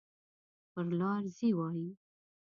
پر لار ځي وایي.